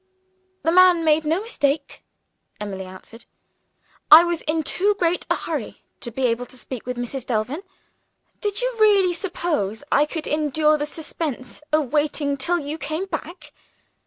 "The man made no mistake," Emily answered. "I was in too great a hurry to be able to speak with Mrs. Delvin. Did you really suppose I could endure the suspense of waiting till you came back?